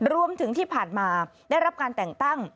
รวมถึงที่ผ่านมาได้รับการแต่งตั้ง